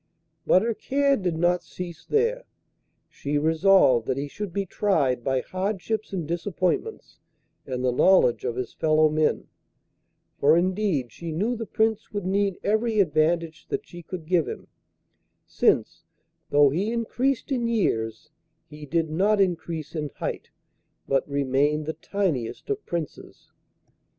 But her care did not cease there: she resolved that he should be tried by hardships and disappointments and the knowledge of his fellowmen; for indeed she knew the Prince would need every advantage that she could give him, since, though he increased in years, he did not increase in height, but remained the tiniest of Princes.